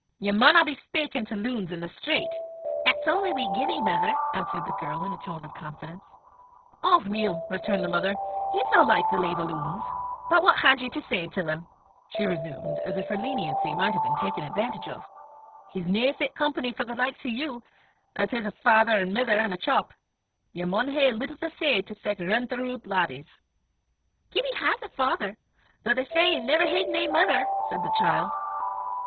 "Ye maunna be speykin' to loons i' the street." "It's only wee Gibbie, mither," answered the girl in a tone of confidence. "Ow weel!" returned the mother, "he's no like the lave o' loons." "But what had ye to say till him?" she resumed, as if afraid her leniency might be taken advantage of. "He's no fit company for the likes o' you, 'at his a father an' mither, an' a chop (shop). Ye maun hae little to say to sic rintheroot laddies." "Gibbie has a father, though they say he never hid nae mither," said the child.